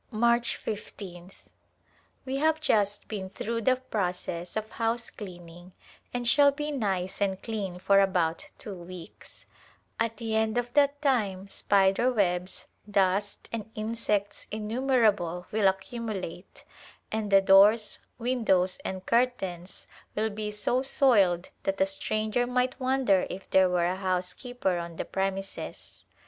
March l^th. We have just been through the process of house cleaning and shall be nice and clean for about two weeks; at the end of that time spider webs, dust, and insects innumerable will accumulate, and the doors, windows and curtains will be so soiled that a stranger might wonder if there were a housekeeper on the premises.